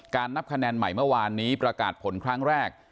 นับคะแนนใหม่เมื่อวานนี้ประกาศผลครั้งแรก